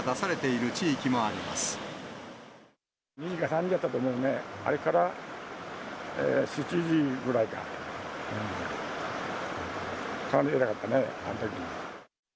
２時か３時だったと思うね、あれから７時ぐらいか、かなりひどかったね、あのとき。